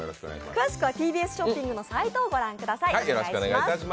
詳しくはＴＢＳショッピングのサイトをご覧ください。